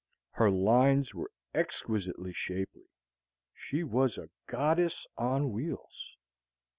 Her lines were exquisitely shapely; she was a goddess on wheels.